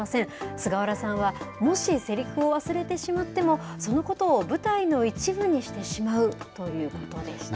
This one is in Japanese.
菅原さんは、もしせりふを忘れてしまっても、そのことを舞台の一部にしてしまうということでした。